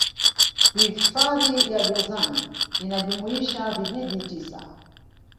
hifadhi ya jozani inajumuisha vijiji tisa